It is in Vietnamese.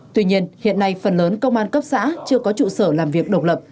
tuy nhiên hiện nay phần lớn công an cấp xã chưa có trụ sở làm việc độc lập